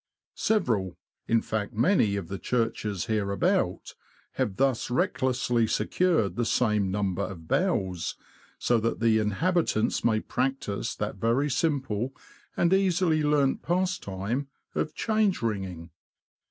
Several, in fact many, of the churches hereabout, have thus reck lessly secured the same number of bells, so that the inhabitants may practise that very simple and easily learnt pastime of change ringing.